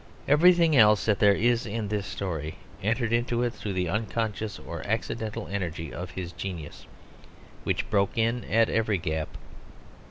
Everything else that there is in this story entered into it through the unconscious or accidental energy of his genius, which broke in at every gap.